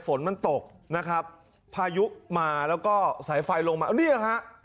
ฝนมันตกนะครับพายุมาแล้วก็สายไฟลงมาเนี่ยฮะ